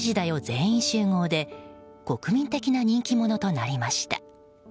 全員集合」で国民的な人気者となりました。